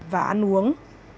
và ăn uống